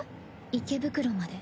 池袋まで。